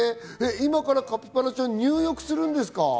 今からカピバラちゃん、入浴するんですか？